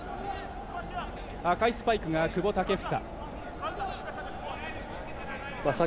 赤いスパイクが久保建英。